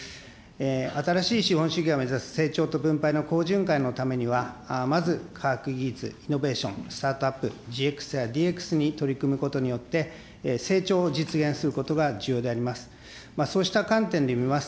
新しい資本主義が目指す成長と分配の好循環のためには、まず科学技術、イノベーション、スタートアップ、ＧＸやＤＸに取り組むことによって、成長を実現することが重要であります。